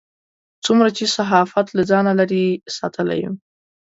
څومره چې صحافت له ځانه لرې ساتلی و.